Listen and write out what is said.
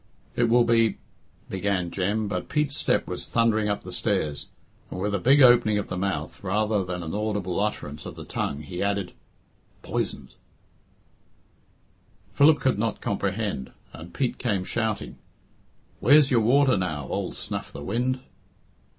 "It will be " began Jem, but Pete's step was thundering up the stairs, and with a big opening of the mouth, rather than an audible utterance of the tongue, he added, "poisoned." Philip could not comprehend, and Pete came shouting "Where's your water, now, ould Snuff the Wind?"